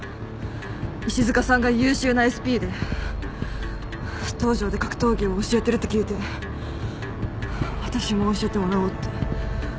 石塚さんが優秀なＳＰで道場で格闘技を教えてるって聞いて私も教えてもらおうって。